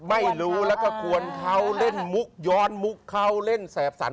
ไม่รู้แล้วก็ควรเขาเล่นมุกย้อนมุกเขาเล่นแสบสัน